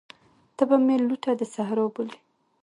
ته به مي لوټه د صحرا بولې